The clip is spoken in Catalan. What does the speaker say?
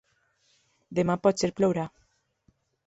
Demà potser plourà.